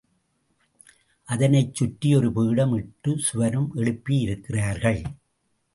அதனைச் சுற்றி ஒரு பீடம் இட்டு, சுவரும் எழுப்பியிருக்கிறார்கள்.